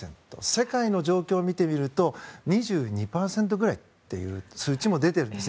世界の状況を見てみると２２％ぐらいという数値も出てるんです。